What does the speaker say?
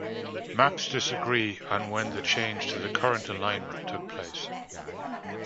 Maps disagree on when the change to the current alignment took place.